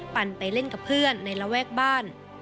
ปั่นไปเล่นกับเพื่อนในระแวกบ้าน